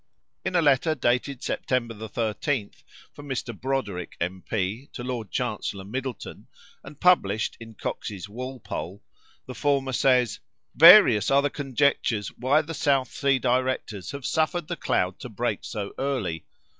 In a letter dated September 13th, from Mr. Broderick, M.P., to Lord Chancellor Middleton, and published in Coxe's Walpole, the former says: "Various are the conjectures why the South Sea directors have suffered the cloud to break so early.